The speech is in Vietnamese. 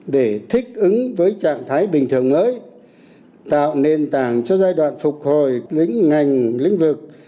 để thích ứng với trạng thái bình thường mới tạo nền tảng cho giai đoạn phục hồi lĩnh ngành lĩnh vực